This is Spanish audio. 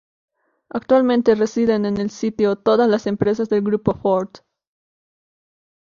Actualmente residen en el sitio todas las empresas del grupo Ford.